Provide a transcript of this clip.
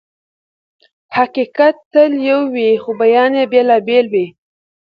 حقيقت تل يو وي خو بيان يې بېلابېل وي.